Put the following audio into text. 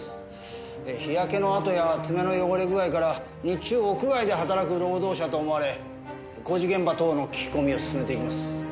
日焼けの痕や爪の汚れ具合から日中屋外で働く労働者と思われ工事現場等の聞き込みを進めています。